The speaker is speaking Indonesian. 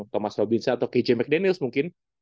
thomas robinson atau kj mcdaniels mungkin